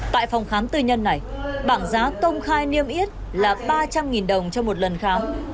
tại phòng khám tư nhân này bảng giá công khai niêm yết là ba trăm linh đồng cho một lần khám